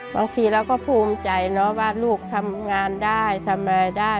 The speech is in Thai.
บางทีเราก็ภูมิใจเนอะว่าลูกทำงานได้ทำอะไรได้